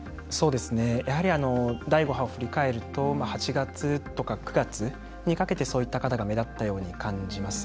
やはり第５波を振り返ると８月とか９月にかけてそういった方が目立ったように感じます。